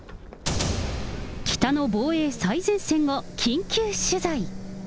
北の防衛最前線を緊急取材。